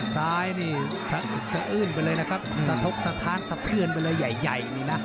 ซ้ายนี่เสอื่นไปเลยนะกสะทกสะท้านเสธื่นไปเลยใหญ่นี่น่ะ